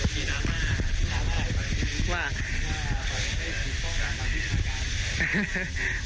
ครับ